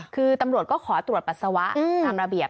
คือตำรวจก็ขอตรวจปัสสาวะตามระเบียบ